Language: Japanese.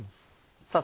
さぁ